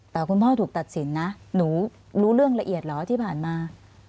แต่คุณพ่อถูกตัดสินนะหนูรู้เรื่องละเอียดเหรอที่ผ่านมา